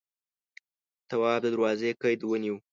تواب د دروازې قید ونيو.